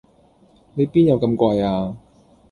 你邊有咁貴呀